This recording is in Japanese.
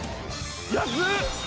安っ！